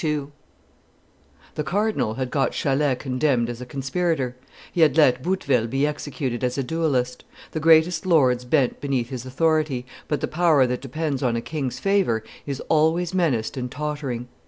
ii.] The cardinal had got Chalais condemned as a conspirator; he had let Bouteville be executed as a duellist; the greatest lords bent beneath his authority, but the power that depends on a king's favor is always menaced and tottering.